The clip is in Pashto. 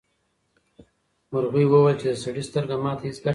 مرغۍ وویل چې د سړي سترګه ماته هیڅ ګټه نه رسوي.